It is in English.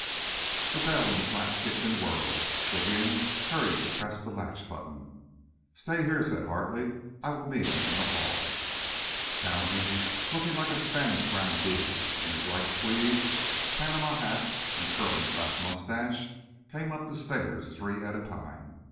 The bell in the flat kitchen whirred. Vivienne hurried to press the latch button. "Stay here," said Hartley. "I will meet him in the hall." Townsend, looking like a Spanish grandee in his light tweeds, Panama hat and curling black mustache, came up the stairs three at a time.